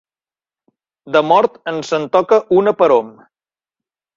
De mort, ens en toca una per hom.